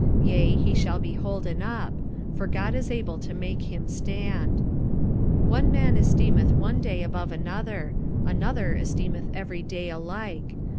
Yea, he shall be holden up: for God is able to make him stand. 45:014:005 One man esteemeth one day above another: another esteemeth every day alike.